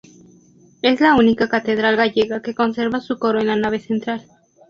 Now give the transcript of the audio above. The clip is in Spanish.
Es la única catedral gallega que conserva su coro en la nave central.